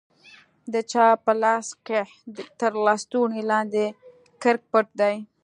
د چا په لاس کښې تر لستوڼي لاندې کرک پټ دى.